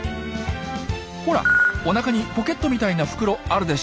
ほらおなかにポケットみたいな袋あるでしょ？